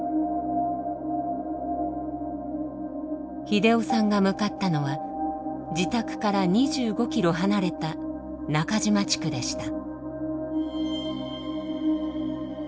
秀雄さんが向かったのは自宅から２５ｋｍ離れた中島地区でした。